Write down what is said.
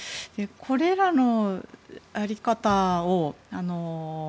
これらの在り方を。